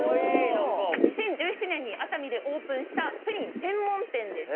２０１７年に熱海でオープンしたプリン専門店です。